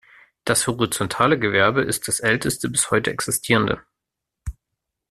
Das horizontale Gewerbe ist das älteste bis heute existierende.